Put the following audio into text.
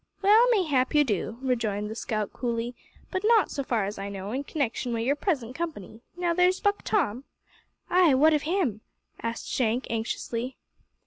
"Well, may hap you do," rejoined the scout coolly, "but not, so far as I know, in connection wi' your present company. Now, there's Buck Tom " "Ay, what of him?" asked Shank, anxiously.